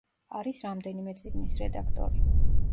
არის რამდენიმე წიგნის რედაქტორი.